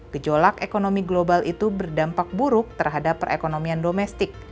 gejolak ekonomi global itu berdampak buruk terhadap perekonomian domestik